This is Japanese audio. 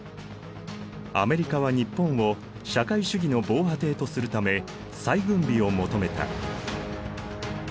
アメリカは日本を社会主義の防波堤とするため再軍備を求めた。